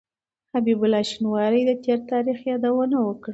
حسيب الله شينواري د تېر تاريخ يادونه وکړه.